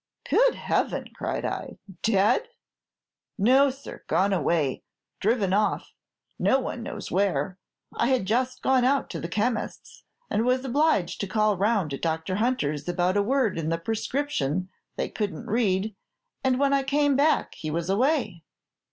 "'Good Heaven!' cried I. 'Dead?' "'No, sir, gone away, driven off, no one knows where. I had just gone out to the chemist's, and was obliged to call round at Doctor Hunter's about a word in the prescription they could n't read, and when I came back he was away.'